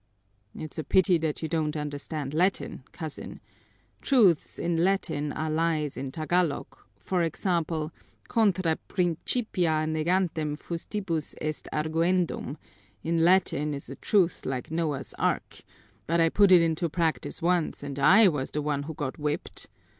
"It's a pity that you don't understand Latin, cousin. Truths in Latin are lies in Tagalog; for example, contra principia negantem fustibus est arguendum in Latin is a truth like Noah's ark, but I put it into practise once and I was the one who got whipped.